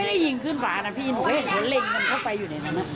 ที่ยิงขึ้นฟ้านะพี่หนูก็เห็นเขาเล็งกันเข้าไปอยู่ในนั้น